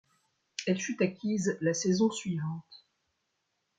Elle fut acquise la saison suivante.